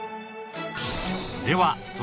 では